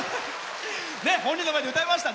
本人の前で歌いました。